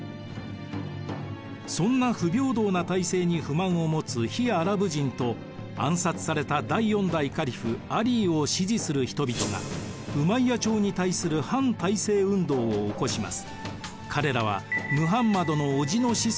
そんな不平等な体制に不満を持つ非アラブ人と暗殺された第４代カリフアリーを支持する人々がウマイヤ朝に対する反体制運動を起こします。